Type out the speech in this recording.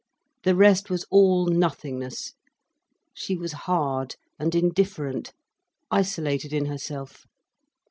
The rest was all nothingness. She was hard and indifferent, isolated in herself.